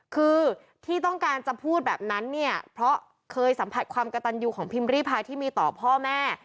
คือที่ต้องการจะพูดแบบนั้นเนี่ยเพราะเคยสัมผัสความกระตันยูของพิมพ์ริพายที่มีต่อพ่อแม่